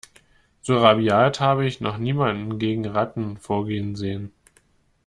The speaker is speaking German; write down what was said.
So rabiat habe ich noch niemanden gegen Ratten vorgehen sehen.